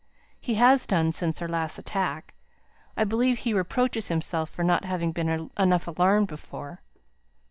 "He has done since her last attack. I believe he reproaches himself for not having been enough alarmed before."